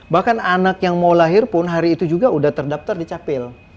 bahkan anak yang mau lahir pun hari itu juga sudah terdaftar di capil